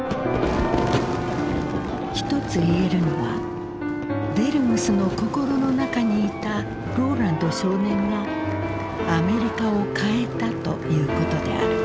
ひとつ言えるのはデルムスの心の中にいたローランド少年がアメリカを変えたということである。